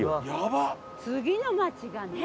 次の町がね。